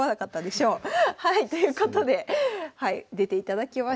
ということで出ていただきました。